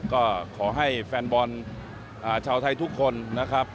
ก็ขอให้แฟนบอลชาวไทยทุกคนนะครับ